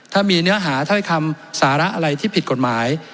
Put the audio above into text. ถ้ามีเนื้อหาถ้อยคำสาระอะไรที่ผิดกฎหมาย